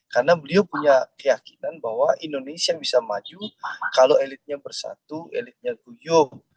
karena beliau punya keyakinan bahwa indonesia bisa maju kalau elitnya bersatu elitnya kuyuh